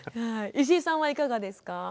石井さんはいかがですか？